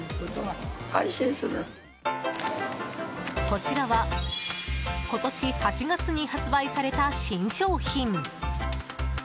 こちらは今年８月に発売された新商品。